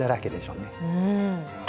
うん！